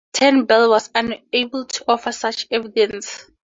Turnbull was unable to offer such evidence.